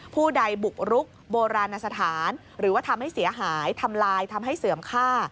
ผู้ใดบุกรุกโบราณสถานหรือว่าทำให้เสียหายทำลายทำให้เสื่อมค่า